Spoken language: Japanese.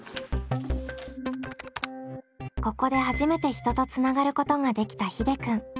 ここで初めて人とつながることができたひでくん。